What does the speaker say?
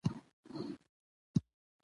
د جبار له طرفه موږ درته ډاډ درکو.